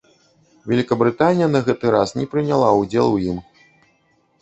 Вялікабрытанія на гэты раз не прыняла ўдзел у ім.